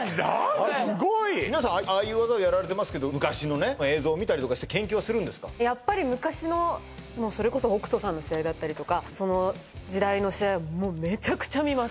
すごい皆さんああいう技をやられてますけどやっぱり昔のもそれこそ北斗さんの試合だったりとかその時代の試合めちゃくちゃ見ます